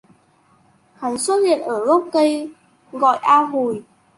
Hắn xuất hiện ở gốc cây gọi a hồi